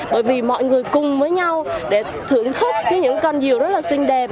bởi vì mọi người cùng với nhau để thưởng thức những con diều rất là xinh đẹp